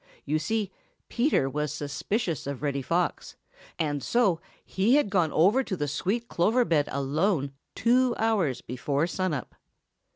You see, Peter was suspicious of Reddy Fox, and so he had gone over to the sweet clover bed alone two hours before sun up.